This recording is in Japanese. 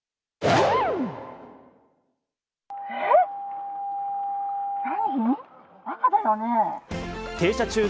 えっ、何？